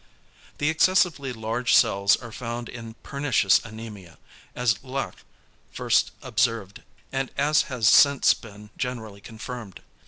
The excessively large cells are found in pernicious anæmia, as Laache first observed, and as has since been generally confirmed.